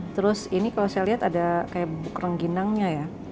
terus ini kalau saya lihat ada kayak rengginangnya ya